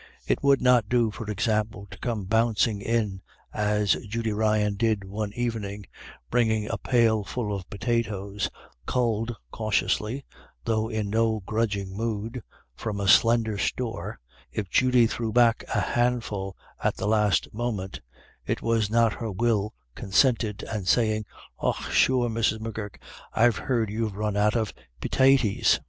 It would not do, for example, to come bouncing in, as Judy Ryan did one evening, bringing a pailful of potatoes, culled cautiously, though in no grudging mood, from a slender store — if Judy threw back a handful at the last moment, it was not her will consented — and saying :" Och sure, Mrs. M'Gurk, I've heard you're run out o' pitaties ; A WINDFALL.